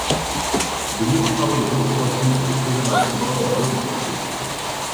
De nouveaux travaux de restauration et de préservation sont alors effectués.